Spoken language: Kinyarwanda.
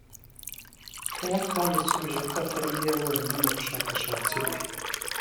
Clark yasubije ko atari byo yabonye mu bushakashatsi bwe